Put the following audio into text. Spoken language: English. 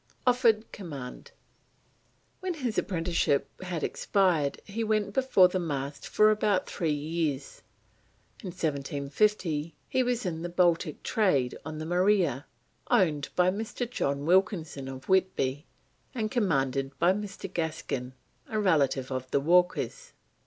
OFFERED COMMAND. When his apprenticeship had expired he went before the mast for about three years. In 1750 he was in the Baltic trade on the Maria, owned by Mr. John Wilkinson of Whitby, and commanded by Mr. Gaskin, a relative of the Walkers.